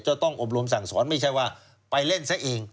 ต้องอบรมสั่งสอนไม่ใช่ว่าไปเล่นซะเอง